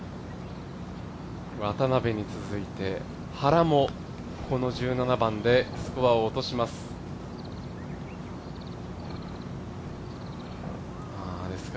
渡邉に続いて原もこの１７番でスコアを落とします。